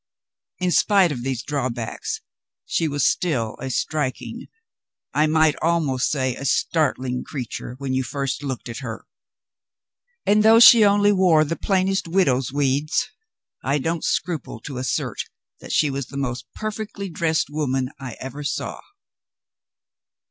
In spite of these drawbacks, she was still a striking, I might almost say a startling, creature, when you first looked at her. And, though she only wore the plainest widow's weeds, I don't scruple to assert that she was the most perfectly dressed woman I ever saw.